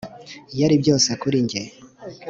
yari byose kuri njye,